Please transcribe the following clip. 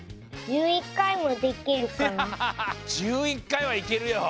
１１回はいけるよ。